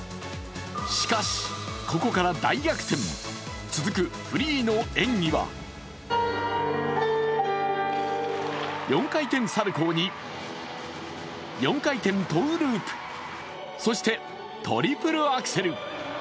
しかしここから大逆転、続くフリーの演技は４回転サルコウに４回転トウループ、そしてトリプルアクセル。